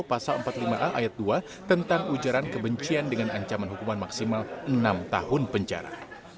pasal empat puluh lima a ayat dua tentang ujaran kebencian dengan ancaman hukuman maksimal enam tahun penjara